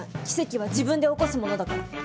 奇跡は自分で起こすものだから。